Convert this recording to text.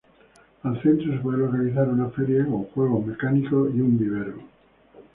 Al centro se puede localizar una feria con juegos mecánicos y un vivero.